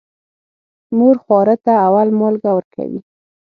مور خواره ته اول مالګه ورکوي.